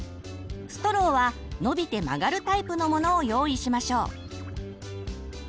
ストローは伸びて曲がるタイプのものを用意しましょう。